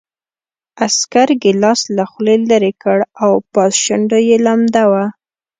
عسکر ګیلاس له خولې لېرې کړ او پاس شونډه یې لمده وه